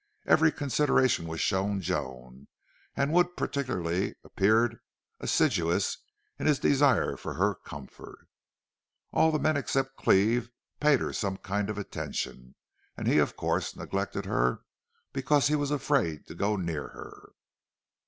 Every consideration was shown Joan, and Wood particularly appeared assiduous in his desire for her comfort. All the men except Cleve paid her some kind attention; and he, of course, neglected her because he was afraid to go near her.